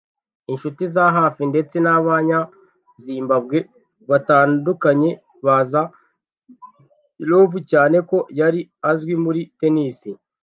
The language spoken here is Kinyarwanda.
inshuti za hafi ndetse n’abanya Zimbabwe batandukanye bazi Ndlovu cyane ko yari azwi muri Tennis